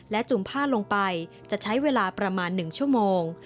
จุ่มผ้าลงไปจะใช้เวลาประมาณ๑ชั่วโมง